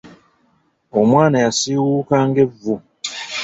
Omwana yasiiwuuka ng'evvu.